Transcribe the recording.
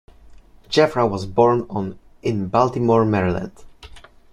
Jeffra was born on in Baltimore, Maryland.